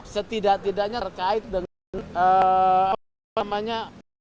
setidak tidaknya terkait dengan apa namanya